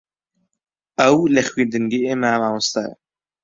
ئەو لە خوێندنگەی ئێمە مامۆستایە.